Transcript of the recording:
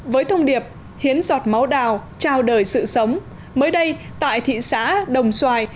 với thông điệp hiến giọt máu đào trao đời sự sống mới đây tại thị xã đồng xoài